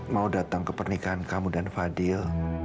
mau datang ke pernikahan kamu dan fadil